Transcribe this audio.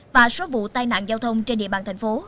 và số vụ tai nạn giao thông trên địa bàn thành phố